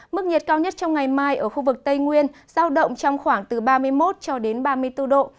mức nhiệt cao nhất trong ngày mai ở khu vực tây nguyên giao động trong khoảng từ ba mươi một cho đến ba mươi bốn độ